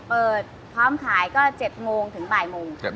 เปิดพร้อมขายก็๗โมงถึงบ่ายโมง